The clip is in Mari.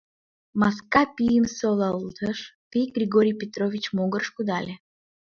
Маска пийым солалтыш, пий Григорий Петрович могырыш кудале.